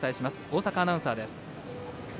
大坂アナウンサーです。